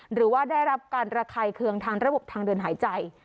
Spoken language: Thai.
หรือว่าได้รับการระคายเคืองทางระบบทางเดินหายใจ